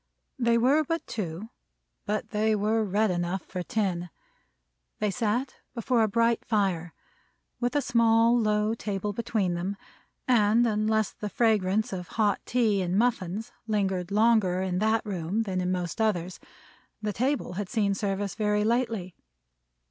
They were but two, but they were red enough for ten. They sat before a bright fire, with a small low table between them; and unless the fragrance of hot tea and muffins lingered longer in that room than in most others, the table had seen service very lately.